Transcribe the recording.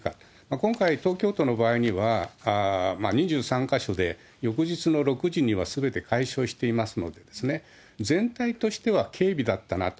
今回、東京都の場合には、２３か所で翌日の６時にはすべて解消していますので、全体としては軽微だったなと。